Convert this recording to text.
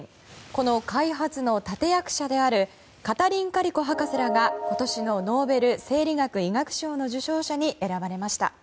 この開発の立役者であるカタリン・カリコ博士らが今年のノーベル生理学・医学賞の受賞者に選ばれました。